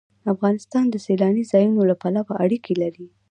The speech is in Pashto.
افغانستان د سیلاني ځایونو له پلوه اړیکې لري.